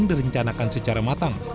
dan direncanakan secara matang